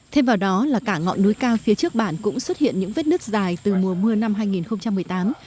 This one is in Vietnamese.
thêm vào đó là cả ngọn núi cao phía trước bản cũng xuất hiện những vết nứt dài từ mùa mưa năm hai nghìn một mươi tám